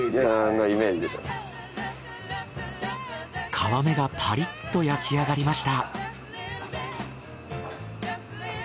皮目がパリッと焼き上がりました。